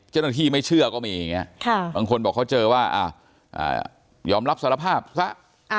เจ้าหน้าที่ไม่เชื่อก็มีอย่างนี้บางคนบอกเขาเจอว่ายอมรับสารภาพซะ